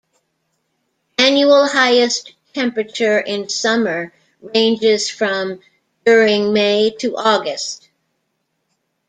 Annual highest temperature in summer ranges from during May to August.